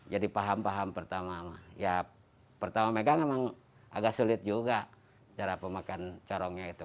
jadi paham paham pertama ya pertama memang agak sulit juga cara pemakan corongnya itu